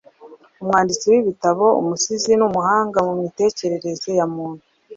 umwanditsi w’ibitabo, umusizi, n’umuhanga mu mitekerereze ya muntu